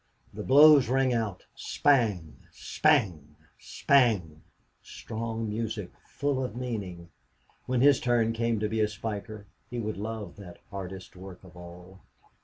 The blows rang out spang spang spang! Strong music, full of meaning! When his turn came to be a spiker, he would love that hardest work of all.